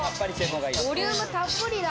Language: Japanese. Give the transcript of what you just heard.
ボリュームたっぷりだ。